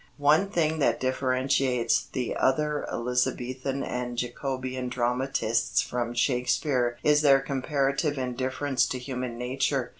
One thing that differentiates the other Elizabethan and Jacobean dramatists from Shakespeare is their comparative indifference to human nature.